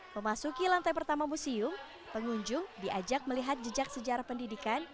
memasuki lantai pertama museum pengunjung diajak melihat jejak sejarah pendidikan